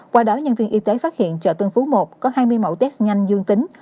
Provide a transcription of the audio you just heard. qua đó nhân viên y tế phát hiện chợ tân phú một có hai mươi mẫu test nhanh dương tính